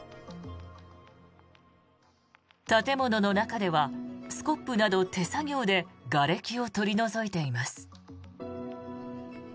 建物の中ではスコップなど手作業でがれきを取り除いています。